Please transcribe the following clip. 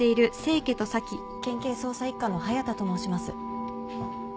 県警捜査一課の隼田と申します。